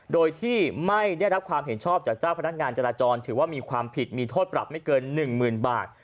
โดยที่ไม่ได้รับความเห็นชอบจากเจ้าพนักงานจราจรถือว่ามีความผิดมีโทษปรับไม่เกิน๑๐๐๐บาท